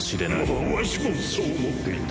おおっわしもそう思っていた。